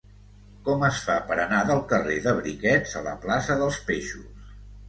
Com es fa per anar del carrer de Briquets a la plaça dels Peixos?